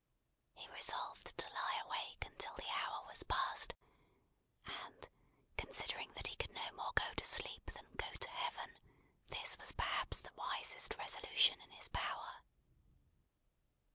He resolved to lie awake until the hour was passed; and, considering that he could no more go to sleep than go to Heaven, this was perhaps the wisest resolution in his power.